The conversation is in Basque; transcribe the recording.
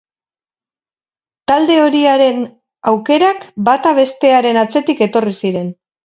Talde horiaren aukerak bata bestearen atzetik etorri ziren.